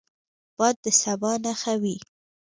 باد د سبا نښه وي